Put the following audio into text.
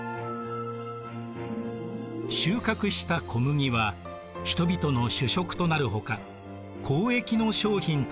収穫した小麦は人々の主食となるほか交易の商品となりました。